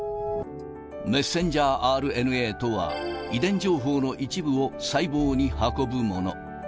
メッセンジャーＲＮＡとは、遺伝情報の一部を細胞に運ぶもの。